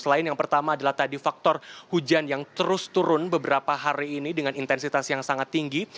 selain yang pertama adalah tadi faktor hujan yang terus turun beberapa hari ini dengan intensitas yang sangat tinggi